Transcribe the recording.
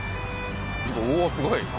おすごい。